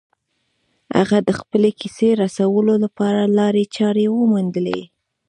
هغه د خپلې کیسې رسولو لپاره لارې چارې وموندلې